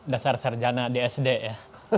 dasar sarjana di sd ya